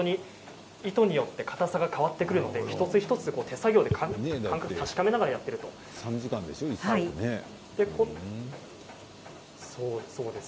糸によってかたさが変わってくるので一つ一つ手で確かめながらやっているということです。